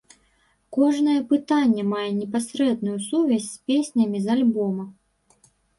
Кожнае пытанне мае непасрэдную сувязь з песнямі з альбома.